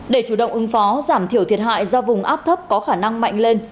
để chủ động ứng phó giảm thiểu thiệt hại do vùng áp thấp có khả năng mạnh lên